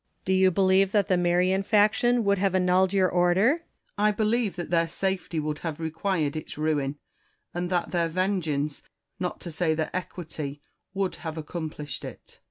Quinctus. Do you believe that the Marian faction would have annulled your Order 1 Ma/rcus. I believe that their safety would have required its ruin, and that their vengeance, not to say their equity, would have accomplished it.